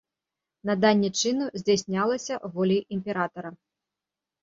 Наданне чыну здзяйснялася воляй імператара.